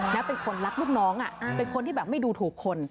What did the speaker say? แล้วเป็นคนรักลูกน้องเป็นคนที่แบบไม่ดูถูกคน